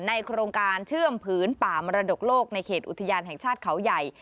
โครงการเชื่อมผืนป่ามรดกโลกในเขตอุทยานแห่งชาติเขาใหญ่